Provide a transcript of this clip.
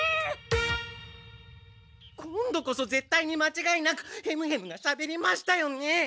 今度こそぜったいにまちがいなくヘムヘムがしゃべりましたよね！？